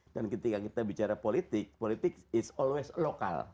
dan ketika kita bicara politik politik is always lokal